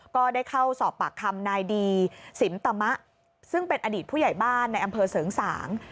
ก็ได้เข้าสอบปากคำนายดีสิมตมะซึ่งเป็นอดีตผู้ใหญ่บ้านในอำเภอเสริงสาง